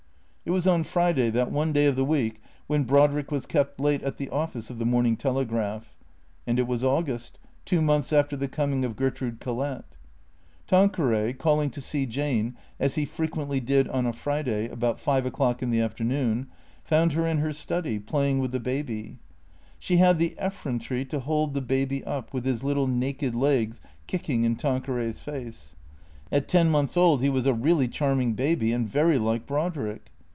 It was on Friday, that one day of the week when Brodrick was kept late at the office of the " Morning Telegraph." And it was August, two months after the coming of Gertrude Collett. Tanqueray, calling to see Jane, as he frequently did on a Friday, about five o'clock in the afternoon, found her in her study, play ing with the baby. She had the effrontery to hold the baby up, with his little naked legs kicking in Tanqueray's face. At ten months old he was a really charming baby, and very like Brodrick.